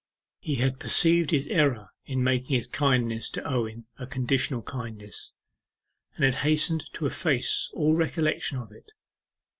He had perceived his error in making his kindness to Owen a conditional kindness, and had hastened to efface all recollection of it.